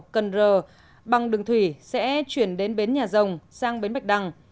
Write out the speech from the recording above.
cần r bằng đường thủy sẽ chuyển đến bến nhà rồng sang bến bạch đằng